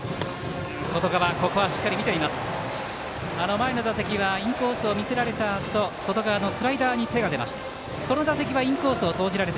前の打席はインコースを見せられたあと外側のスライダーに手が出ました。